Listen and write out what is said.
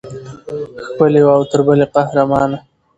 ښکلې وه او تر بلې قهرمانه.